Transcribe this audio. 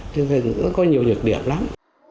thế nên nó có nhiều nhược điểm lắm